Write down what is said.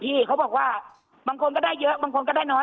เขาบอกว่าบางคนก็ได้เยอะบางคนก็ได้น้อย